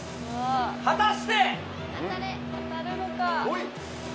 果たして。